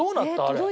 あれ。